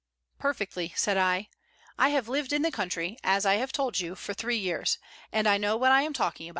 "Perfectly," said I. "I have lived in the country, as I have told you, for three years, and I know what I am talking about."